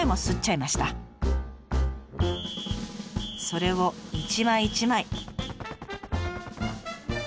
それを一枚一枚。